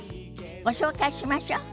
ご紹介しましょ。